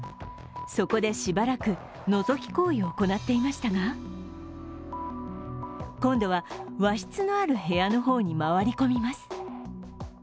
そこでしばらくのぞき行為を行っていましたが今度は和室のある部屋の方に回り込みます。